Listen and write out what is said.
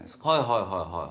はいはいはい。